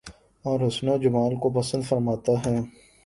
اور حسن و جمال کو پسند فرماتا ہے